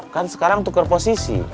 kan sekarang tuker posisi